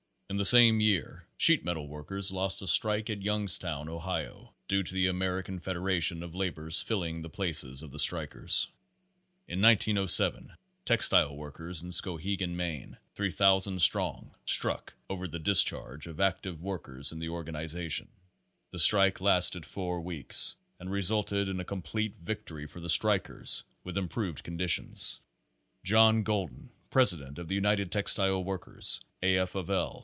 In the same year sheet metal workers lost a strike at Youngstown, Ohio, due to the American Federation of Labor's filling the places of the strikers. In 1907 textile workers of Skowhegan, Maine, 3,000 strong, struck over the discharge of active workers in the organization. The strike lasted four weeks and re sulted in a complete victory for the strikers with im proved conditions. ' John Golden, president of the United Textile Workers, A. F. of L.